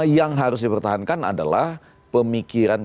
yang harus dipertahankan adalah pemikiran